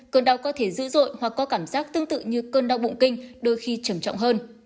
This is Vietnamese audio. cơn đau có thể dữ dội hoặc có cảm giác tương tự như cơn đau bụng kinh đôi khi trầm trọng hơn